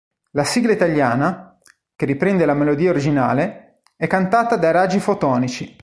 La sigla italiana, che riprende la melodia originale, è cantata dai Raggi Fotonici